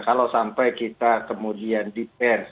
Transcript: kalau sampai kita kemudian